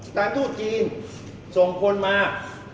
แต่ถ้าจีนส่งคนมา